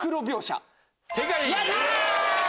やった！